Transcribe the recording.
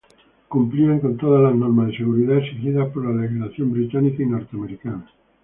Cumplían con todas las normas de seguridad exigidas por la legislación británica y norteamericana.